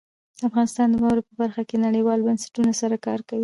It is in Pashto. افغانستان د واوره په برخه کې نړیوالو بنسټونو سره کار کوي.